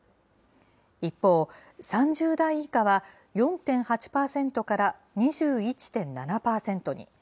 一方、３０代以下は、４．８％から２１．７％に。